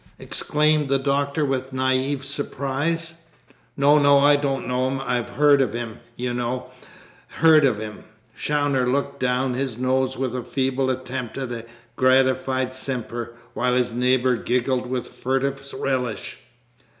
exclaimed the Doctor with naive surprise. "No, no; I don't know him. I've heard of him, you know heard of him!" Chawner looked down his nose with a feeble attempt at a gratified simper, while his neighbours giggled with furtive relish.